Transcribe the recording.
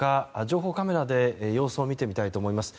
情報カメラで様子を見てみたいと思います。